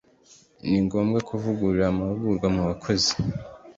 |ni ngombwa kuvugurura amahugurwa ku bakozi